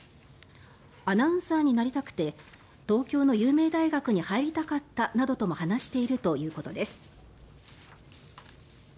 アナウンサーになりたくて東京の有名大学に入りたかったなどとも話しているということです。